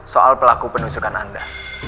soal pelaku penusukan anda